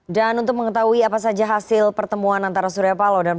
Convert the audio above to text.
dan untuk mengetahui apa saja hasil pertemuan antara surya palo dan prabowo subianto